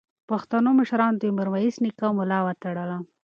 پښتنو مشرانو د میرویس نیکه ملا وتړله.